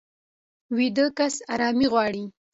ویده کس ارامي غواړي